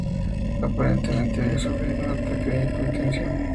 Aparentemente había sufrido un ataque de hipotensión.